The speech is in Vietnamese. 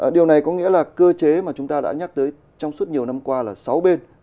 điều này có nghĩa là cơ chế mà chúng ta đã nhắc tới trong suốt nhiều năm qua là sáu bên